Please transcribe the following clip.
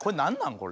これ。